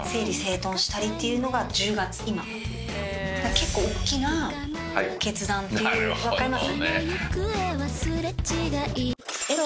結構おっきな決断っていう分かります？